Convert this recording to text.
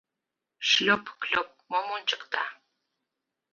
«Шлёп-клёп» мом ончыкта?